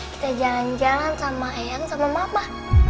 kita jalan jalan sama eyang sama mama